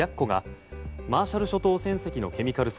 「白虎」がマーシャル諸島船籍のケミカル船